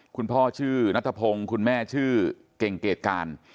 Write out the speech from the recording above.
พ่อชื่อนัทพงศ์คุณแม่ชื่อเก่งเกรดการ